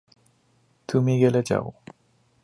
তুমি গেলে যাও।